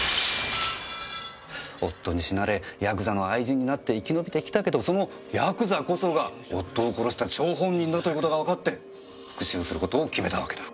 夫に死なれヤクザの愛人になって生き延びてきたけどそのヤクザこそが夫を殺した張本人だという事がわかって復讐する事を決めたわけだ。